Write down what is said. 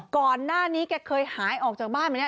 ก่อนหน้านี้แกเคยหายออกจากบ้านมาแล้ว